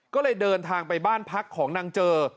ก็เลยเดินทางไปบ้านพักของนางเจอ